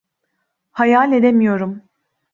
Hayal edemiyorum.